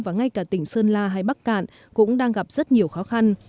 và ngay cả tỉnh sơn la hay bắc cạn cũng đang gặp rất nhiều khó khăn